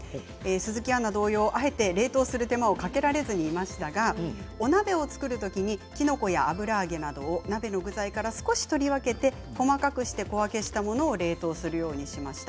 鈴木アナウンサー同様あえて冷凍する手間をかけられずにいましたが、お鍋を作るとききのこや油揚げなど鍋の具材から少し取り分けて、細かくして小分けしたものを冷凍するようにしました。